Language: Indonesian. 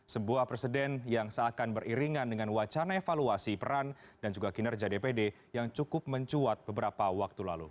sebuah presiden yang seakan beriringan dengan wacana evaluasi peran dan juga kinerja dpd yang cukup mencuat beberapa waktu lalu